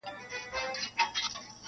یو موږک دی چي په نورو نه ګډېږي-